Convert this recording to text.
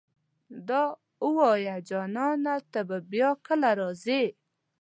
دا اووايه جانانه ته به بيا کله راځې